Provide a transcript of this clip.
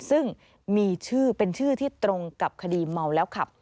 ซึ่งเป็นชื่อที่ตรงกับคดีเมาแล้วครับ